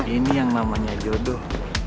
ini yang namanya jodoh